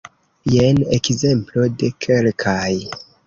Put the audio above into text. Jen ekzemplo de kelkaj.